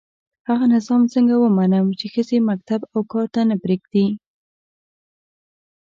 هغه نظام څنګه ومنم چي ښځي مکتب او کار ته نه پزېږدي